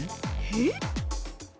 えっ？